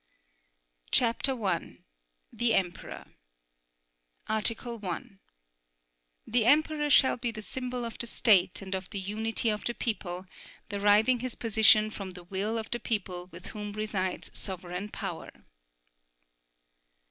CHAPTER I. THE EMPEROR Article 1. The Emperor shall be the symbol of the State and of the unity of the people, deriving his position from the will of the people with whom resides sovereign power.